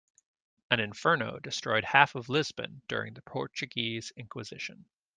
An inferno destroyed half of Lisbon during the Portuguese inquisition.